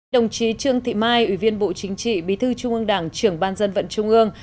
đồng chí trương thị mai ủy viên bộ chính trị bí thư trung ương đảng trưởng ban dân vận trung ương